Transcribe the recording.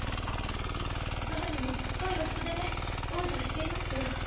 どうにもしつこいお人でね往生していますよ。